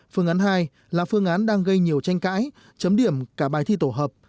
phương án hai là phương án đang gây nhiều tranh cãi chấm điểm cả bài thi tổ hợp